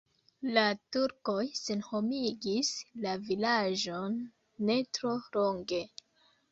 La turkoj senhomigis la vilaĝon ne tro longe.